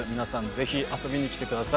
ぜひ遊びに来てください。